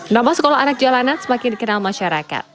nama sekolah anak jalanan semakin dikenal masyarakat